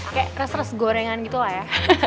kayak res res gorengan gitu lah ya